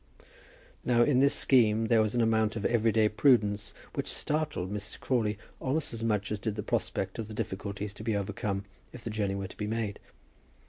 Now in this scheme there was an amount of everyday prudence which startled Mrs. Crawley almost as much as did the prospect of the difficulties to be overcome if the journey were to be made.